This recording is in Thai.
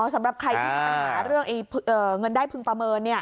อ๋อสำหรับใครที่จะหาเรื่องเงินได้พึงประเมินเนี่ย